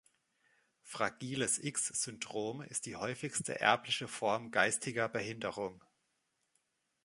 Fragiles-X-Syndrom ist die häufigste erbliche Form geistiger Behinderung.